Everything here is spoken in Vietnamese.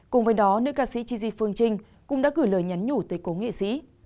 cùng với đó nữ ca sĩ chi phương trinh cũng đã gửi lời nhắn nhủ tới cố nghệ sĩ